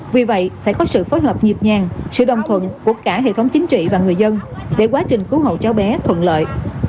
vì vậy phải có sự phối hợp nhịp nhàng sự đồng thuận của cả hệ thống chính trị và người dân để quá trình cứu hộ cháu bé thuận lợi